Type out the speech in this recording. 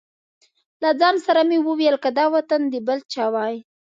له ځان سره مې وویل که دا وطن د بل چا وای.